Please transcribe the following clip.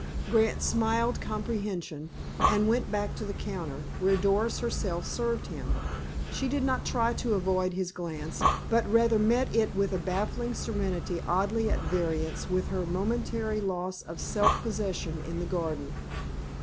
Grant smiled comprehension, and went back to the counter, where Doris herself served him. She did not try to avoid his glance, but rather met it with a baffling serenity oddly at variance with her momentary loss of self possession in the garden.